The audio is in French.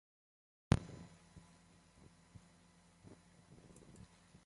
Il comte un titre mondial en petit bassin et deux titres européens en relais.